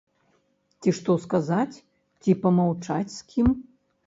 Ці што сказаць, ці памаўчаць з кім?